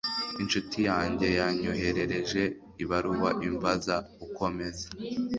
Inshuti yanjye yanyoherereje ibaruwa imbaza uko meze.